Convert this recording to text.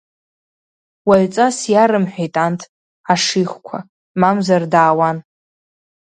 Уаҩҵас иарымҳәеит анҭ, ашихқәа, мамзар даауан.